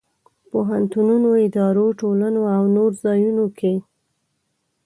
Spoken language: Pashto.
پوهنتونونو، ادارو، ټولنو او نور ځایونو کې.